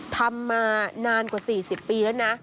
ทำมานานกว่า๔๐ปีแล้วนะ